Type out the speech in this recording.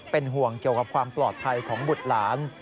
เป็นห่วงเกี่ยวกับความปลอดภัยของบุตรหลาน